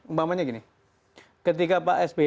umpamanya gini ketika pak sby